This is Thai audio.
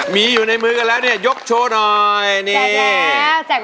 มีอยู่ในมือกันแล้วเนี่ยยกโชว์หน่อยนี่